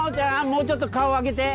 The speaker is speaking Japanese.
もうちょっと顔上げて。